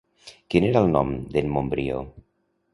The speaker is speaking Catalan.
Quin era el nom d'en Montbrió?